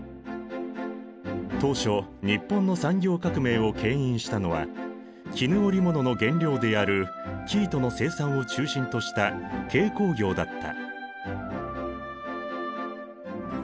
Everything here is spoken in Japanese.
当初日本の産業革命をけん引したのは絹織物の原料である生糸の生産を中心とした軽工業だった。